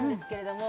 も